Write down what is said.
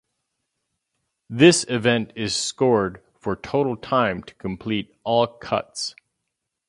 This event is scored for total time to complete all cuts.